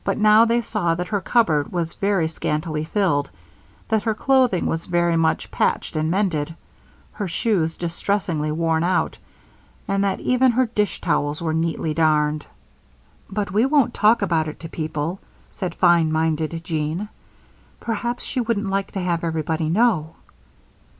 But now they saw that her cupboard was very scantily filled, that her clothing was very much patched and mended, her shoes distressingly worn out, and that even her dish towels were neatly darned. "But we won't talk about it to people," said fine minded Jean. "Perhaps she wouldn't like to have everybody know."